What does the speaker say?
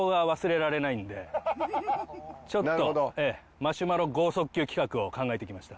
マシュマロ豪速球企画を考えてきました。